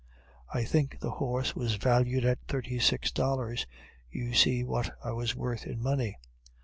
I think the horse was valued at thirty six dollars you see what I was worth in money.